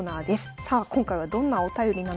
さあ今回はどんなお便りなんでしょうか。